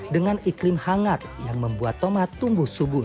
dengan iklim hangat yang membuat tomat tumbuh subur